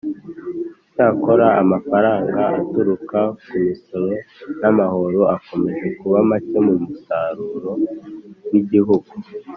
cyakora, amafaranga aturuka ku misoro n'amahoro akomeje kuba make mu musaruro w'igihugu.